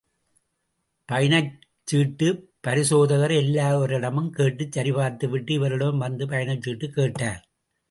பயணச்சீட்டு பரிசோதகர் எல்லோரிடமும் கேட்டு சரிபார்த்து விட்டு இவரிடமும் வந்து பயணச்சீட்டு கேட்டார்.